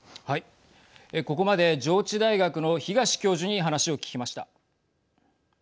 ここまで上智大学の東教授に話を聞きました。